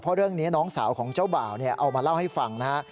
เพราะเรื่องนี้น้องสาวของเจ้าบ่าวเอามาเล่าให้ฟังนะฮะ